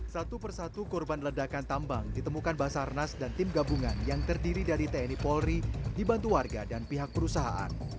satu persatu korban ledakan tambang ditemukan basarnas dan tim gabungan yang terdiri dari tni polri dibantu warga dan pihak perusahaan